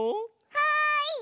はい！